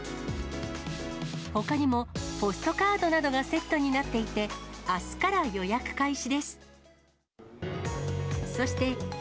ほかにも、ポストカードなどがセットになっていて、あすから予約開始です。